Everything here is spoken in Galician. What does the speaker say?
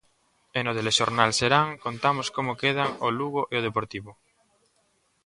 E no Telexornal Serán contamos como quedan o Lugo e o Deportivo.